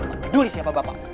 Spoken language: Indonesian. kau tak peduli siapa bapak